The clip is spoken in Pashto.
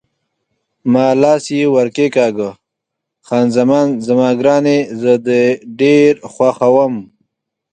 ما لاس یې ور کښېکاږه: خان زمان زما ګرانې، زه دې ډېر خوښوم.